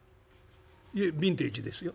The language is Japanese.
「いえビンテージですよ」。